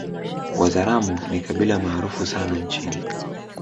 Wazaramo ni kabila maarufu sana nchini